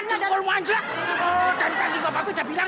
atau kalau gak istrinya